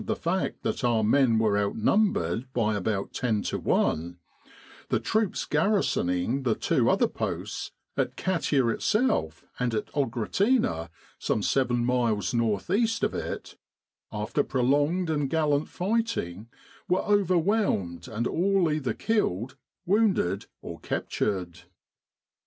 in Egypt fact that our men were outnumbered by about 10 to i, the troops garrisoning the two other posts at Katia itself and at Oghratina, some seven miles north east of it after prolonged and gallant fighting were over whelmed and all either killed, wounded or captured.